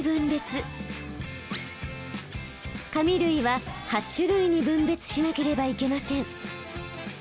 紙類は８種類に分別しなければいけません。